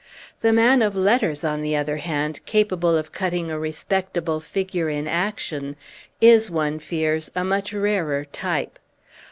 The man of letters, on the other hand, capable of cutting a respectable figure in action, is, one fears, a much rarer type.